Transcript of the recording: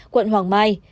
quận hoàng mai